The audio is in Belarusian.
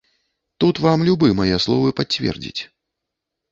Тут вам любы мае словы пацвердзіць.